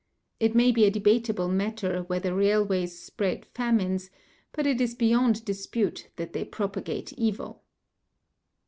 It may be a debatable matter whether railways spread famines, but it is beyond dispute that they propagate evil.